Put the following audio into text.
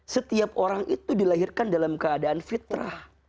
setiap orang itu dilahirkan dalam keadaan fitrah